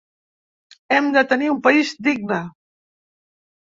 Hem de tenir un país digne.